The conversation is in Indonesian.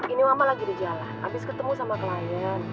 ini mama lagi di jalan abis ketemu sama klien